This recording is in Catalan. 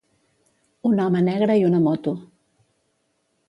Un home negre i una moto.